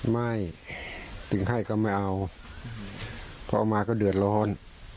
ไม่ถึงไข้ก็ไม่เอาพอเอามาก็เดือดร้อน